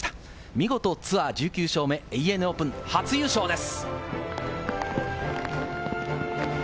見事、ツアー１９勝目、ＡＮＡオープン初優勝です。